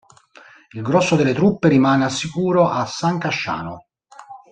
Il grosse delle truppe rimane al sicuro a San Casciano.